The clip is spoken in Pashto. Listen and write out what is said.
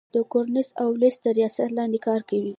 د کورن والیس تر ریاست لاندي کار کوي.